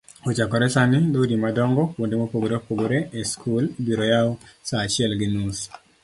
kochakore sani dhoudi madonjo kuonde mopogoreopogore e skul ibiroyaw saa achiel gi nus